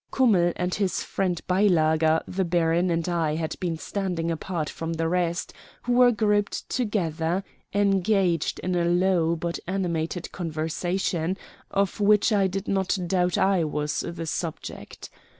Kummell and his friend Beilager, the baron, and I had been standing apart from the rest, who were grouped together, engaged in a low but animated conversation, of which I did not doubt I was the subject.